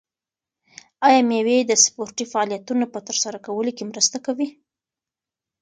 آیا مېوې د سپورتي فعالیتونو په ترسره کولو کې مرسته کوي؟